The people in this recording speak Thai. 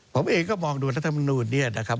ผมเองก็มองดูรัฐบาลนูนนี้นะครับ